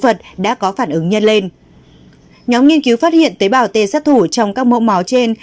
vật đã có phản ứng nhân lên nhóm nghiên cứu phát hiện tế bào t sát thủ trong các mẫu máu trên